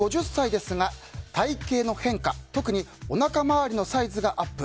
続いて、今年５０歳ですが体形の変化特におなか周りのサイズがアップ。